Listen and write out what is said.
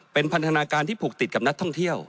เป็นพันธนาการที่ผูกติดกับนักท่องเที่ยว